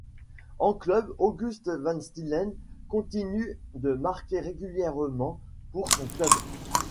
En club, August Van Steelant continue de marquer régulièrement pour son club.